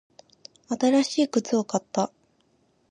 新しい靴を買った。